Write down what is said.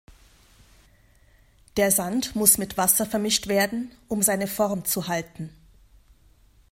Der Sand muss mit Wasser vermischt werden, um seine Form zu halten.